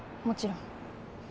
もちろん。